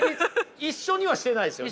一緒にはしてないですよね？